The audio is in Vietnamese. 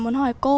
muốn hỏi cô